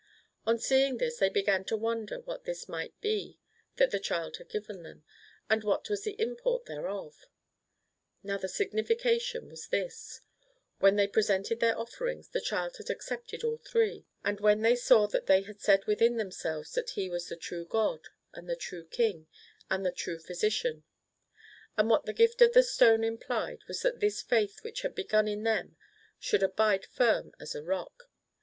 8o MARCO POLO Book I. On seeing this they began to wonder what this might be that the Child had given them, and w^hat was the import thereof. Now the signification was this : when they presented their offerings, the Child had accepted all three, and when they saw that they had said within themselves that He was the True God, and the True King, and the True Physician/ And what the gift of the stone implied was that this Faith which had begun in them should abide firm as a rock.